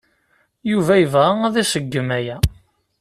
Yuba yebɣa ad iṣeggem aya.